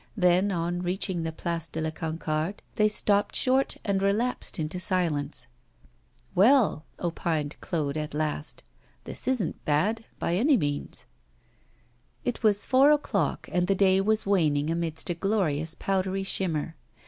Then, on reaching the Place de la Concorde, they stopped short and relapsed into silence. 'Well,' opined Claude at last, 'this isn't bad, by any means.' It was four o'clock, and the day was waning amidst a glorious powdery shimmer.